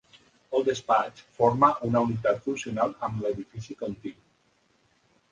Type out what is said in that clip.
El despatx forma una unitat funcional amb l'edifici contigu.